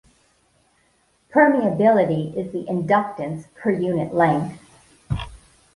Permeability is the inductance per unit length.